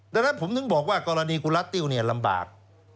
ดังนั้นผมถึงบอกว่ากรณีกุรัตติวเนี่ยลำบาก